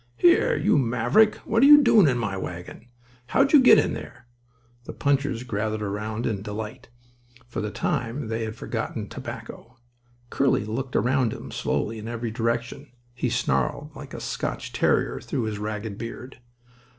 "Here, you maverick, what are you doing in my wagon? How did you get in there?" The punchers gathered around in delight. For the time they had forgotten tobacco. Curly looked around him slowly in every direction. He snarled like a Scotch terrier through his ragged beard.